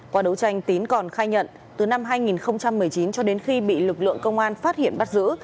qua đấu tranh tín còn khai nhận từ năm hai nghìn một mươi chín cho đến khi bị lực lượng công an phát hiện bắt giữ